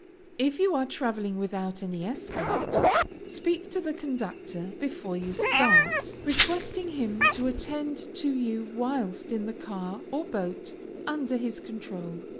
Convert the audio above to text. If you are traveling without any escort, speak to the conductor before you start, requesting him to attend to you whilst in the car or boat under his control.